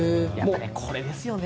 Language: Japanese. これですよね。